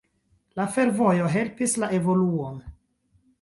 La fervojo helpis la evoluon.